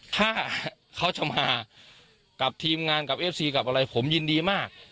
ถ้าเขาจะมากับทีมงานกับเอฟซีกับอะไรผมยินดีมาก